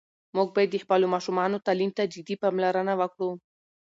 موږ باید د خپلو ماشومانو تعلیم ته جدي پاملرنه وکړو.